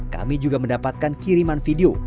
kami juga mendapatkan kiriman video